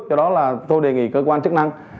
do đó là tôi đề nghị cơ quan chức năng